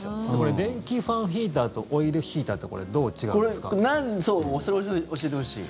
電気ファンヒーターとオイルヒーターってそう、それ教えてほしい。